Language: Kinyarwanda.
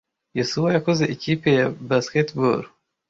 Yosuwa yakoze ikipe ya basketball.